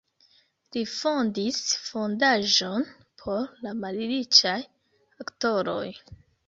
Li fondis fondaĵon por la malriĉaj aktoroj.